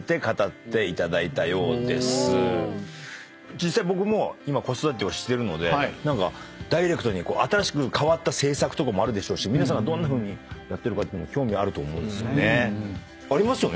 実際僕も今子育てをしてるのでダイレクトに新しく変わった政策とかもあるでしょうし皆さんがどんなふうにやってるかってのも興味あると思うんです。ありますよね？